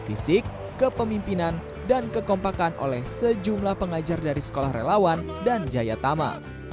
fisik kepemimpinan dan kekompakan oleh sejumlah pengajar dari sekolah relawan dan jayatama